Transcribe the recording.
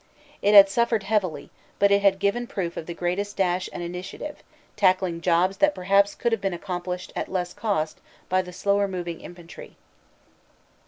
It had suffered heavily, but it had given proof of the greatest dash and initiative, tackling jobs that perhaps could have been accomplished at less cost by the slower moving infantry.